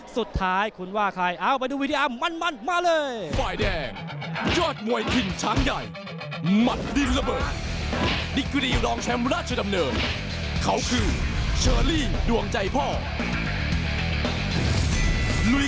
สุดท้ายคุณว่าใครเอ้าไปดูวีดีโอมันมาเลย